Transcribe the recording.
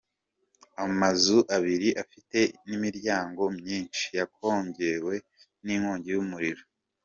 Amazu abiri afite n’imiryango myinshi, yakongowe n’inkongi y’umuriro.